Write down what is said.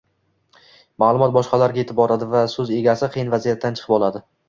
Maʼlumot boshqalarga yetib boradi va so‘z egasi qiyin vaziyatdan chiqib oladi.